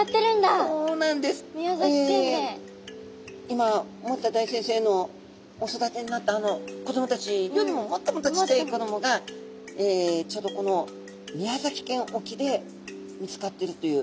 今森田大先生のお育てになったあの子どもたちよりももっともっとちっちゃい子どもがちょうどこの宮崎県沖で見つかってるという。